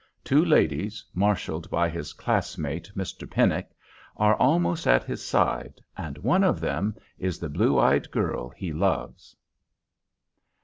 Two ladies, marshalled by his classmate, Mr. Pennock, are almost at his side, and one of them is the blue eyed girl he loves.